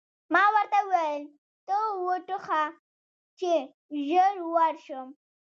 ما ورته وویل: ته و ټوخه، چې ژر ورشم.